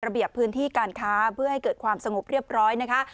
เบียบพื้นที่การค้าเพื่อให้เกิดความสงบเรียบร้อยนะคะ